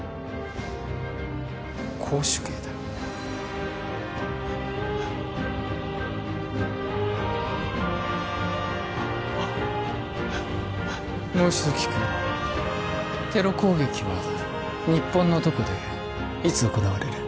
絞首刑だもう一度聞くテロ攻撃は日本のどこでいつ行われる？